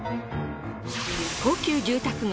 高級住宅街